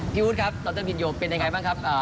พี่ฮุฏครับตรวินโยเป็นยังไงบ้างครับ